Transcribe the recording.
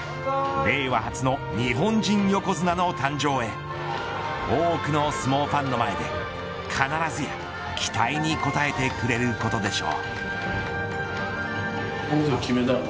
令和初の日本人横綱の誕生へ多くの相撲ファンの前で必ずや期待に応えてくれることでしょう。